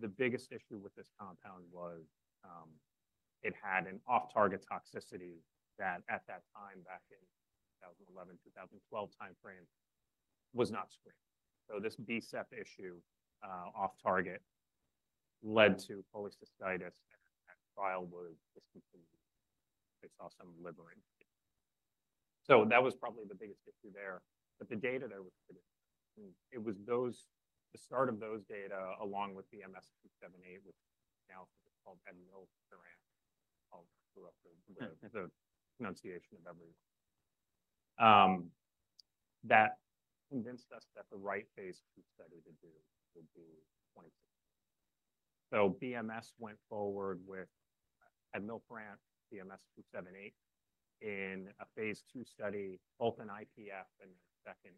The biggest issue with this compound was it had an off-target toxicity that, at that time, back in 2011-2012 timeframe, was not screened. This BMS-986020 issue off-target led to cholecystitis, and that trial was discontinued. They saw some liver improvement. That was probably the biggest issue there. The data there was pretty good. It was those—the start of those data, along with BMS-986278, which now is called Admilparant, I'll screw up the pronunciation of every—that convinced us that the right phase II study to do would be 2016. BMS went forward with Admilparant, BMS-986278 in a phase II study, both in IPF and then a second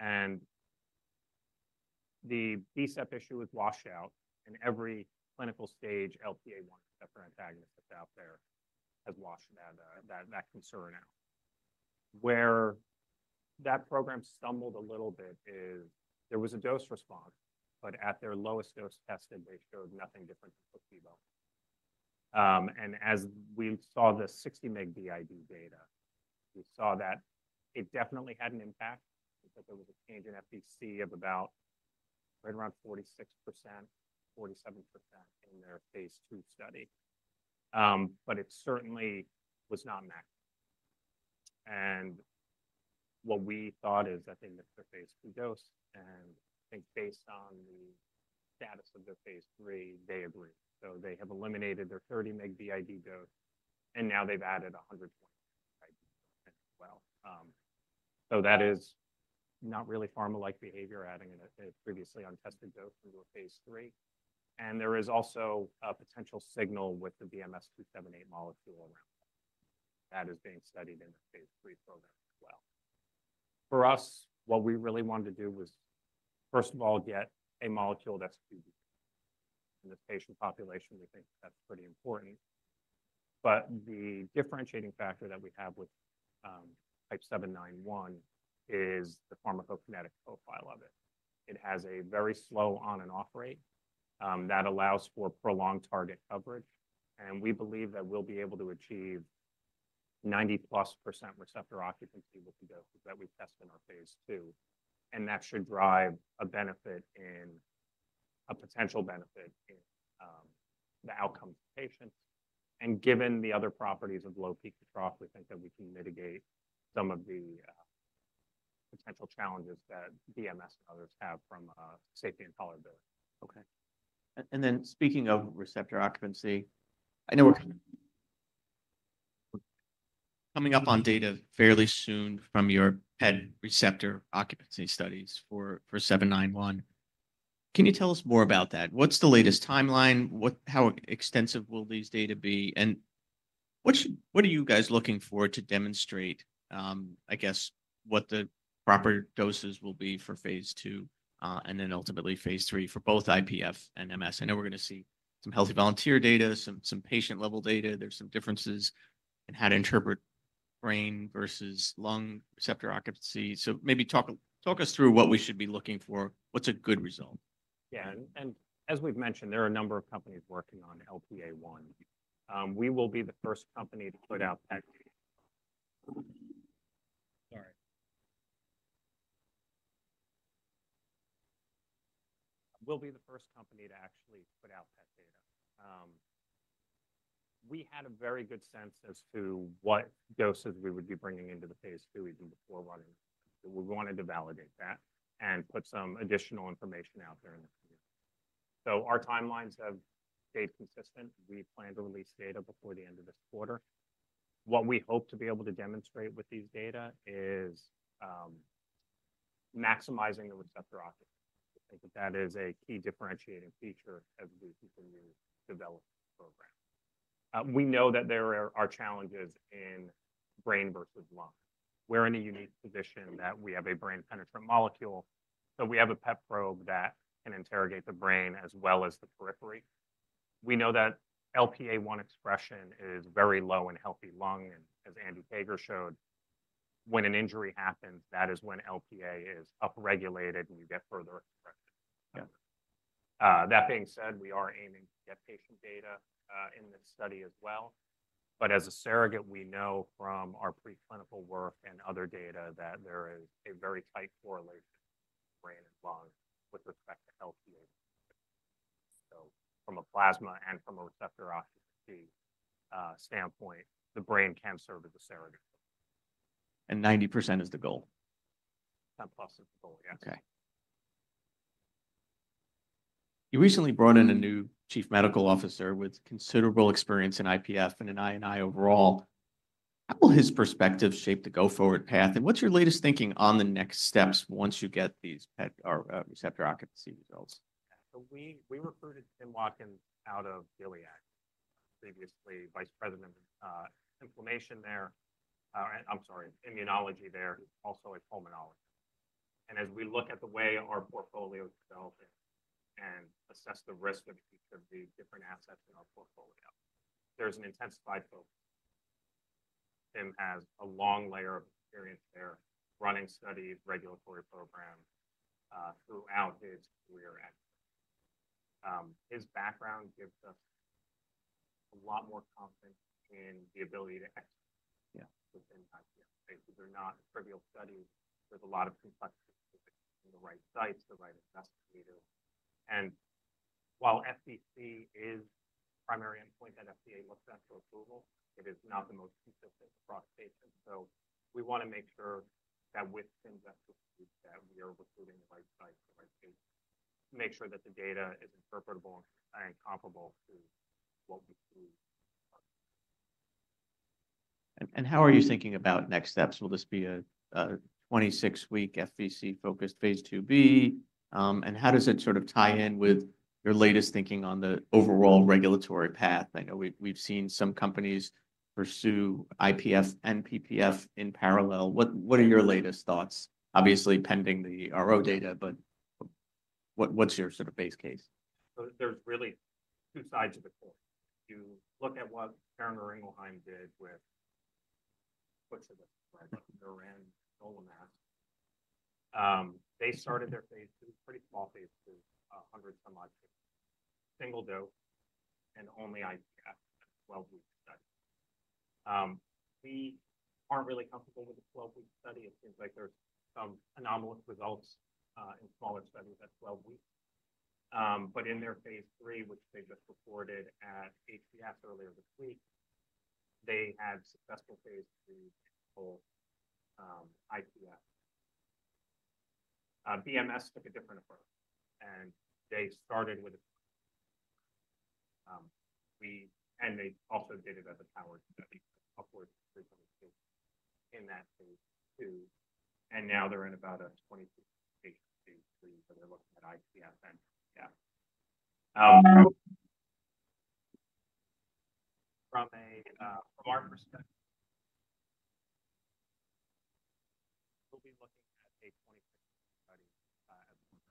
ACTF. The BMS-986020 issue was washed out. Every clinical stage LPA1 separate antagonist that's out there has washed that concern out. Where that program stumbled a little bit is there was a dose response, but at their lowest dose tested, they showed nothing different than placebo. As we saw the 60 mg BID data, we saw that it definitely had an impact because there was a change in FVC of about right around 46%-47% in their phase II study. It certainly was not maximal. What we thought is that they missed their phase II dose. I think based on the status of their phase III, they agreed. They have eliminated their 30 mg BID dose, and now they've added 120 mg BID as well. That is not really pharmalike behavior adding a previously untested dose into a phase III. There is also a potential signal with the BMS-986278 molecule around that. That is being studied in the phase III program as well. For us, what we really wanted to do was, first of all, get a molecule that's QBT. In this patient population, we think that's pretty important. The differentiating factor that we have with type 791 is the pharmacokinetic profile of it. It has a very slow on-and-off rate that allows for prolonged target coverage. We believe that we'll be able to achieve 90+% receptor occupancy with the dose that we test in our phase II. That should drive a benefit in—a potential benefit in the outcomes for patients. Given the other properties of low peak trough, we think that we can mitigate some of the potential challenges that BMS and others have from safety and tolerability. Okay. And then speaking of receptor occupancy, I know we're coming up on data fairly soon from your PET receptor occupancy studies for 791. Can you tell us more about that? What's the latest timeline? How extensive will these data be? And what are you guys looking for to demonstrate, I guess, what the proper doses will be for phase II and then ultimately phase III for both IPF and MS? I know we're going to see some healthy volunteer data, some patient-level data. There's some differences in how to interpret brain versus lung receptor occupancy. So maybe talk us through what we should be looking for, what's a good result. Yeah. As we've mentioned, there are a number of companies working on LPA1. We will be the first company to actually put out PET data. We had a very good sense as to what doses we would be bringing into the phase II even before running. We wanted to validate that and put some additional information out there in the community. Our timelines have stayed consistent. We plan to release data before the end of this quarter. What we hope to be able to demonstrate with these data is maximizing the receptor occupancy. I think that is a key differentiating feature as we continue to develop the program. We know that there are challenges in brain versus lung. We're in a unique position that we have a brain penetrant molecule. We have a PET probe that can interrogate the brain as well as the periphery. We know that LPA1 expression is very low in healthy lung. As Andy Pager showed, when an injury happens, that is when LPA is upregulated and you get further expression. That being said, we are aiming to get patient data in this study as well. As a surrogate, we know from our preclinical work and other data that there is a very tight correlation between brain and lung with respect to LPA1. From a plasma and from a receptor occupancy standpoint, the brain can serve as a surrogate. 90% is the goal. 10-plus is the goal, yes. Okay. You recently brought in a new Chief Medical Officer with considerable experience in IPF and in INI overall. How will his perspective shape the go-forward path? What is your latest thinking on the next steps once you get these PET or receptor occupancy results? We recruited Tim Watkins out of Gilead, previously Vice President of immunology there, also a pulmonologist. As we look at the way our portfolio developed and assess the risk of each of the different assets in our portfolio, there's an intensified focus. Tim has a long layer of experience there, running studies, regulatory programs throughout his career at CRIS. His background gives us a lot more confidence in the ability to execute within IPF. Basically, they're not a trivial study. There's a lot of complexity in the right sites, the right investigator. While FVC is the primary endpoint that FDA looks at for approval, it is not the most consistent across patients. We want to make sure that with Tim's expertise, that we are recruiting the right site for the right patients, to make sure that the data is interpretable and comparable to what we see in the market. How are you thinking about next steps? Will this be a 26-week FVC-focused phase II B? How does it sort of tie in with your latest thinking on the overall regulatory path? I know we've seen some companies pursue IPF and PPF in parallel. What are your latest thoughts? Obviously, pending the RO data, but what's your sort of base case? There's really 2 sides of the coin. If you look at what Carmine Stengone did with, what should I describe it, Theran and Nolomast, they started their phase II, pretty small phase II, 100-some odd patients, single dose, and only IPF at 12-week study. We aren't really comfortable with the 12-week study. It seems like there's some anomalous results in smaller studies at 12 weeks. In their phase II, which they just reported at HVS earlier this week, they had successful phase III sample IPF. BMS took a different approach. They started with a 10-week study. They also did it as a power study. Upwards frequently in that phase II. Now they're in about a 20-week phase II, III, so they're looking at IPF and IPF. From our perspective, we'll be looking at a 26-week study at the moment.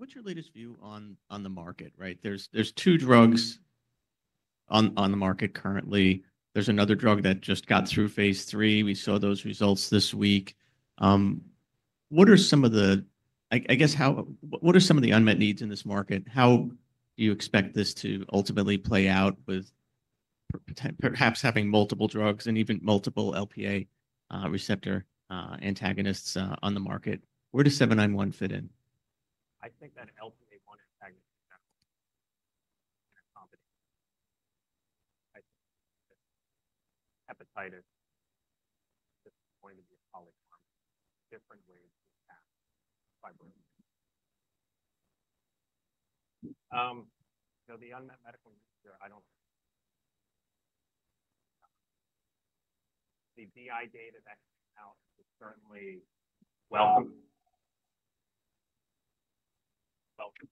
What's your latest view on the market, right? There are 2 drugs on the market currently. There is another drug that just got through phase III. We saw those results this week. What are some of the, I guess, what are some of the unmet needs in this market? How do you expect this to ultimately play out with perhaps having multiple drugs and even multiple LPA receptor antagonists on the market? Where does 791 fit in? I think that LPA1 antagonist in general can accommodate hepatitis, disappointed polycarbonate, different ways to attack fibrosis. The unmet medical needs there, I don't think the BI data that came out is certainly welcome. Welcome.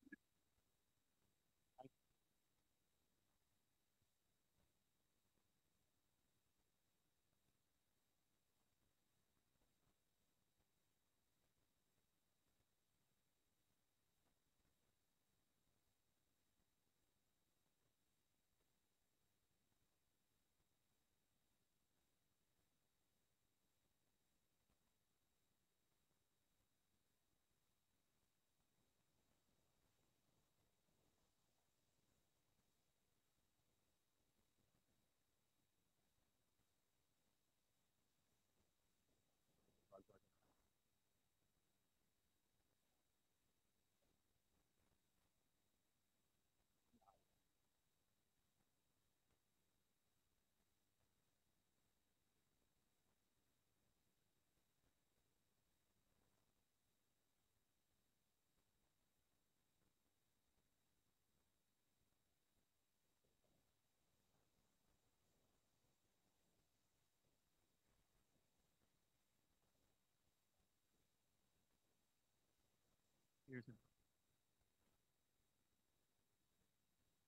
Gears and gears.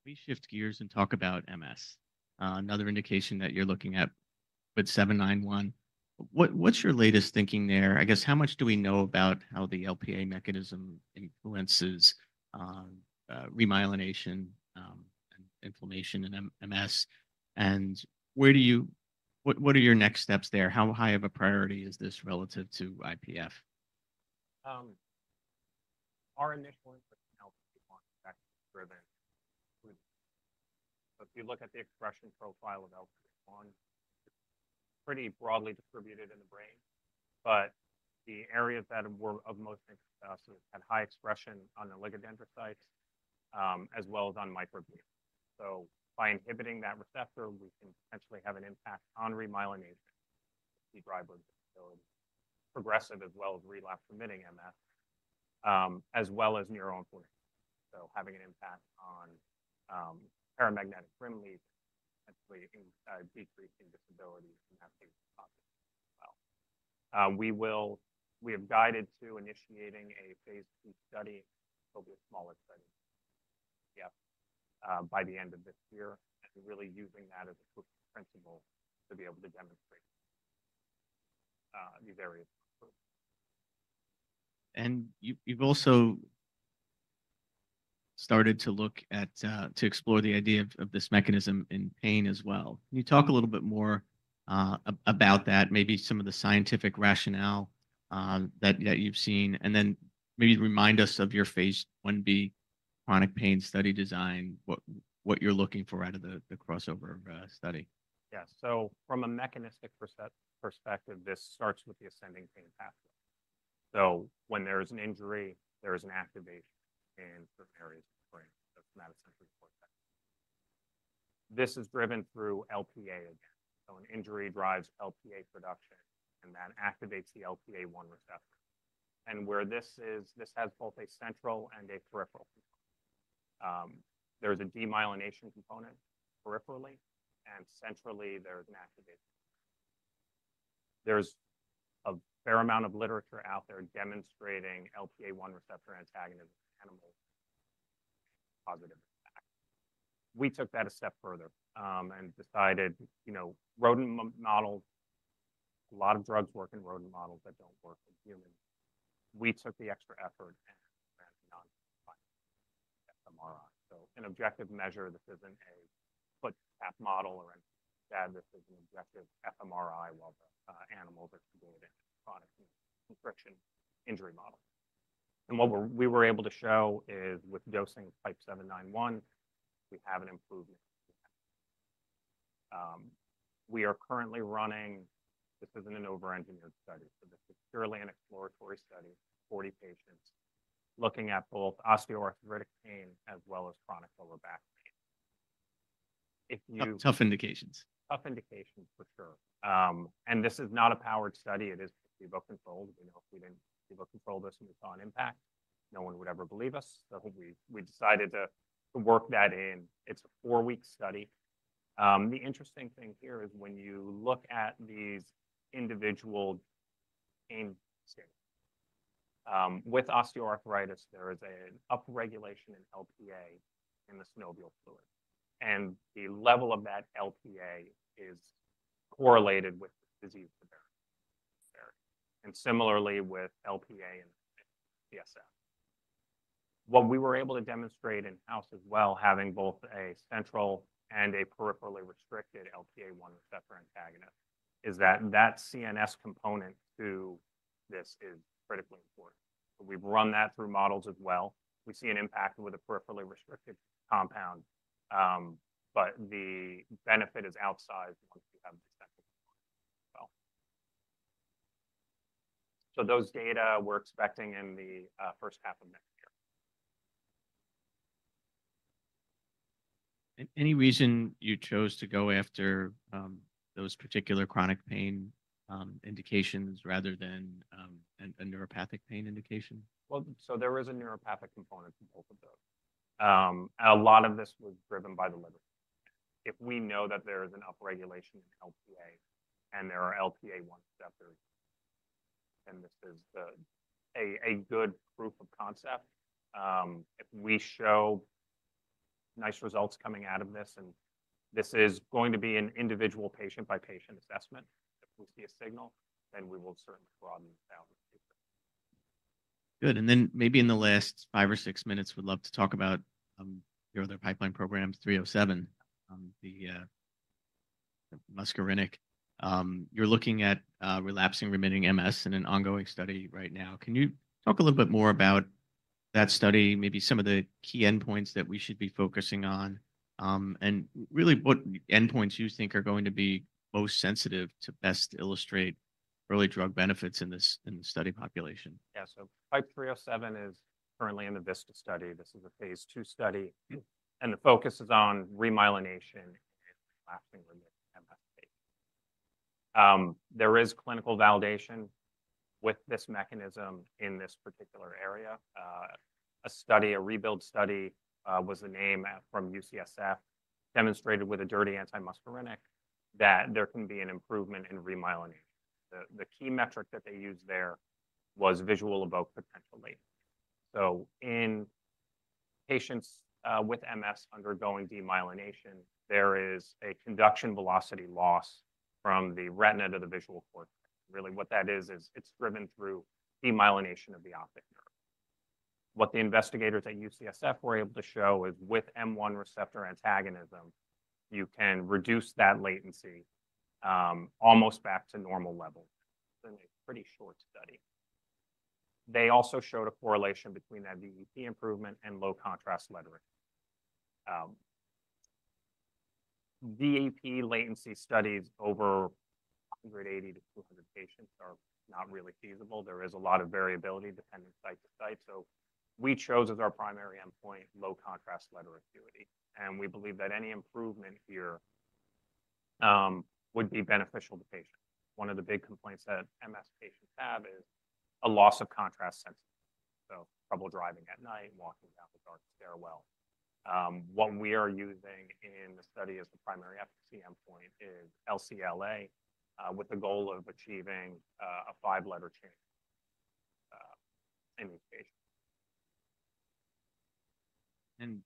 Let me shift gears and talk about MS. Another indication that you're looking at with 791. What's your latest thinking there? I guess, how much do we know about how the LPA mechanism influences remyelination and inflammation in MS? What are your next steps there? How high of a priority is this relative to IPF? Our initial input in LPA1 is actually driven through the brain. If you look at the expression profile of LPA1, it's pretty broadly distributed in the brain. The areas that were of most expression had high expression on the ligand dendrocyte, as well as on microglia. By inhibiting that receptor, we can potentially have an impact on remyelination, the driver of disability, progressive as well as relapse-remitting MS, as well as neuroinflammation. Having an impact on paramagnetic rim leak potentially decreasing disability in that patient's pocket as well. We have guided to initiating a phase II study, probably a smaller study, IPF, by the end of this year. Really using that as a proof of principle to be able to demonstrate these areas of improvement. You've also started to look at, to explore the idea of this mechanism in pain as well. Can you talk a little bit more about that, maybe some of the scientific rationale that you've seen? And then maybe remind us of your phase I B chronic pain study design, what you're looking for out of the crossover study. Yeah. From a mechanistic perspective, this starts with the ascending pain pathway. When there is an injury, there is an activation in certain areas of the brain, the somatosensory cortex. This is driven through LPA again. An injury drives LPA production, and that activates the LPA1 receptor. This has both a central and a peripheral component. There is a demyelination component peripherally, and centrally, there is an activation. There is a fair amount of literature out there demonstrating LPA1 receptor antagonism in animals with positive impact. We took that a step further and decided, you know, rodent models, a lot of drugs work in rodent models that do not work in humans. We took the extra effort and ran a non-specific FMRI. An objective measure, this is not a foot tap model or anything like that. This is an objective FMRI while the animals are still going down chronic constriction injury models. And what we were able to show is with dosing of type 791, we have an improvement. We are currently running, this isn't an over-engineered study, so this is purely an exploratory study, 40 patients looking at both osteoarthritic pain as well as chronic lower back pain. If you. Tough indications. Tough indications for sure. This is not a powered study. It is placebo-controlled. We know if we did not placebo-control this and we saw an impact, no one would ever believe us. We decided to work that in. It is a 4 week study. The interesting thing here is when you look at these individual pain scales. With osteoarthritis, there is an upregulation in LPA in the synovial fluid. The level of that LPA is correlated with disease severity. Similarly with LPA and CSF. What we were able to demonstrate in-house as well, having both a central and a peripherally restricted LPA1 receptor antagonist, is that the CNS component to this is critically important. We have run that through models as well. We see an impact with a peripherally restricted compound, but the benefit is outsized once you have the central component as well. Those data we're expecting in the first half of next year. Any reason you chose to go after those particular chronic pain indications rather than a neuropathic pain indication? There is a neuropathic component to both of those. A lot of this was driven by the liver function. If we know that there is an upregulation in LPA and there are LPA1 receptors, then this is a good proof of concept. If we show nice results coming out of this, and this is going to be an individual patient-by-patient assessment, if we see a signal, then we will certainly broaden this out in the future. Good. Maybe in the last 5 or 6 minutes, we'd love to talk about your other pipeline program, 307, the muscarinic. You're looking at relapsing remitting MS in an ongoing study right now. Can you talk a little bit more about that study, maybe some of the key endpoints that we should be focusing on, and really what endpoints you think are going to be most sensitive to best illustrate early drug benefits in this study population? Yeah. Type 307 is currently in the VISTA study. This is a phase II study. The focus is on remyelination and relapsing remitting MS pain. There is clinical validation with this mechanism in this particular area. A study, a REBUILD study was the name from UCSF, demonstrated with a dirty anti-muscarinic that there can be an improvement in remyelination. The key metric that they used there was visual evoked potential latency. In patients with MS undergoing demyelination, there is a conduction velocity loss from the retina to the visual cortex. Really, what that is, is it's driven through demyelination of the optic nerve. What the investigators at UCSF were able to show is with M1 receptor antagonism, you can reduce that latency almost back to normal levels. It's been a pretty short study. They also showed a correlation between that VEP improvement and low contrast letter acuity. VEP latency studies over 180 to 200 patients are not really feasible. There is a lot of variability depending site to site. We chose as our primary endpoint low contrast letter acuity. We believe that any improvement here would be beneficial to patients. One of the big complaints that MS patients have is a loss of contrast sensitivity. Trouble driving at night, walking down the dark stairwell. What we are using in the study as the primary efficacy endpoint is LCLA with the goal of achieving a 5-letter change in these patients.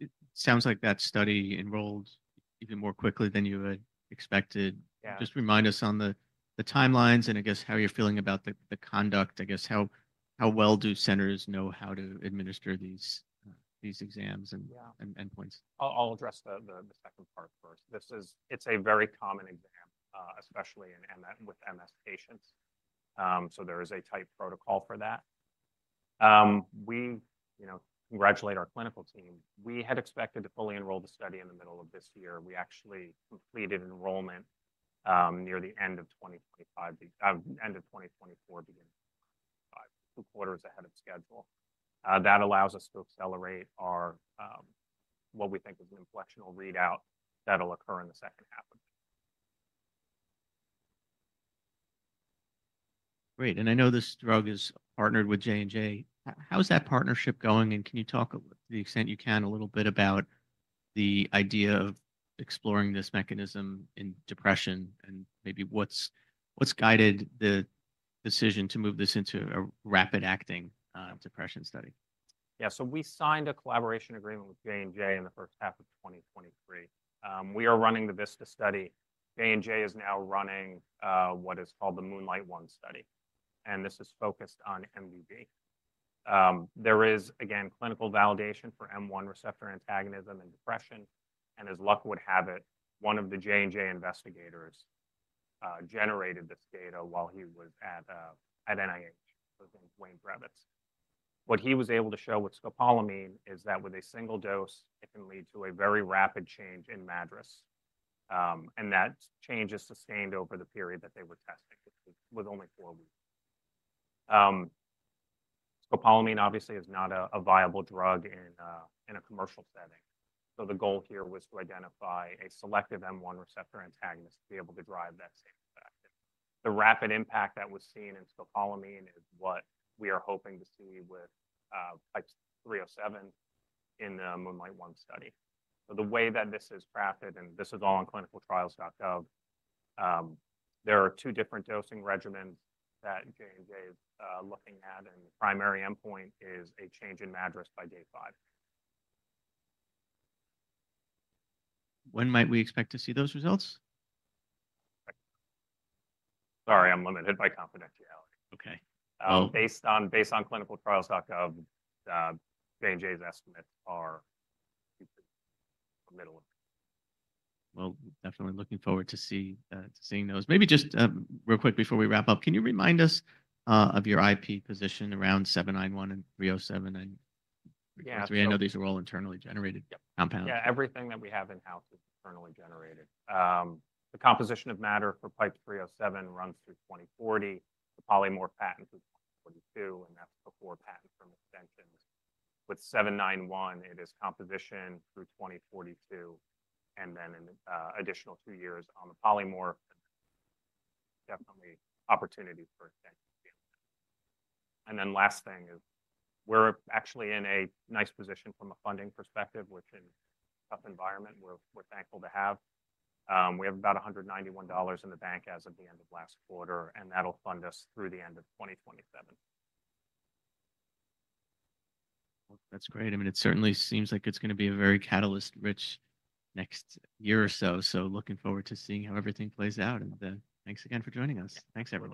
It sounds like that study enrolled even more quickly than you had expected. Just remind us on the timelines and I guess how you're feeling about the conduct. I guess, how well do centers know how to administer these exams and endpoints? I'll address the second part first. It's a very common exam, especially with MS patients. There is a tight protocol for that. We congratulate our clinical team. We had expected to fully enroll the study in the middle of this year. We actually completed enrollment near the end of 2024, beginning of 2025, two quarters ahead of schedule. That allows us to accelerate what we think is an inflectional readout that'll occur in the second half of the year. Great. I know this drug is partnered with J&J. How's that partnership going? Can you talk to the extent you can a little bit about the idea of exploring this mechanism in depression and maybe what's guided the decision to move this into a rapid-acting depression study? Yeah. We signed a collaboration agreement with J&J in the first half of 2023. We are running the VISTA study. J&J is now running what is called the Moonlight One study. This is focused on MUB. There is, again, clinical validation for M1 receptor antagonism in depression. As luck would have it, one of the J&J investigators generated this data while he was at NIH. His name is Wayne Drevets. What he was able to show with scopolamine is that with a single dose, it can lead to a very rapid change in MADRS. That change is sustained over the period that they were testing with only 4 weeks. Scopolamine obviously is not a viable drug in a commercial setting. The goal here was to identify a selective M1 receptor antagonist to be able to drive that same effect. The rapid impact that was seen in scopolamine is what we are hoping to see with type 307 in the Moonlight One study. The way that this is crafted, and this is all on clinicaltrials.gov, there are 2 different dosing regimens that J&J is looking at. The primary endpoint is a change in MADRS by day 5. When might we expect to see those results? Sorry, I'm limited by confidentiality. Okay. Based on clinicaltrials.gov, J&J's estimates are in the middle of the year. Definitely looking forward to seeing those. Maybe just real quick before we wrap up, can you remind us of your IP position around 791 and 307 and 303? I know these are all internally generated compounds. Yeah. Everything that we have in-house is internally generated. The composition of matter for type 307 runs through 2040. The polymorph patent is 2042, and that's before patent from extensions. With 791, it is composition through 2042, and then an additional 2 years on the polymorph. Definitely opportunity for extensions. The last thing is we're actually in a nice position from a funding perspective, which in a tough environment, we're thankful to have. We have about $191 million in the bank as of the end of last quarter, and that'll fund us through the end of 2027. That's great. I mean, it certainly seems like it's going to be a very catalyst-rich next year or so. Looking forward to seeing how everything plays out. Thanks again for joining us. Thanks, everyone.